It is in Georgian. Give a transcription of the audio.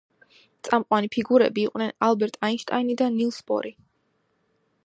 წამყვანი ფიგურები იყვნენ ალბერტ აინშტაინი და ნილს ბორი.